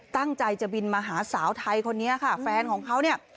ตั้งใจจะบินมาหาสาวไทยคนนี้ค่ะแฟนของเขาเนี่ย